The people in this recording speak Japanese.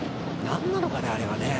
何なのかね、あれはね。